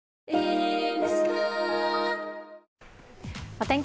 お天気